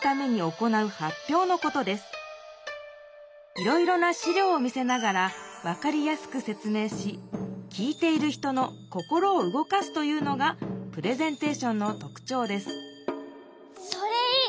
いろいろな資料を見せながら分かりやすくせつ明し聞いている人の心を動かすというのがプレゼンテーションのとくちょうですそれいい！